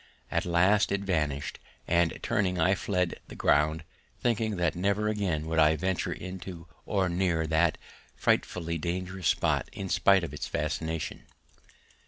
At last it vanished, and turning I fled from the ground, thinking that never again would I venture into or near that frightfully dangerous spot in spite of its fascination.